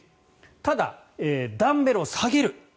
ただ、ダンベルを下げる。